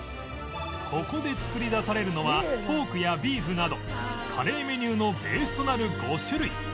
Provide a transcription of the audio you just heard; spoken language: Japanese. ここで作り出されるのはポークやビーフなどカレーメニューのベースとなる５種類